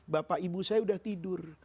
bapak ibu saya udah tidur